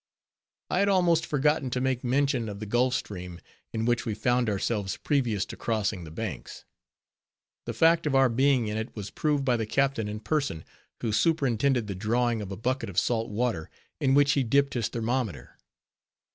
I had almost forgotten to make mention of the Gulf Stream, in which we found ourselves previous to crossing the Banks. The fact of our being in it was proved by the captain in person, who superintended the drawing of a bucket of salt water, in which he dipped his thermometer.